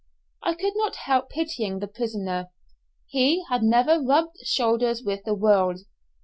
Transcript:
I could not help pitying the prisoner. He had never rubbed shoulders with the world.